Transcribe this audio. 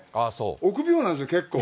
臆病なんですよ、結構。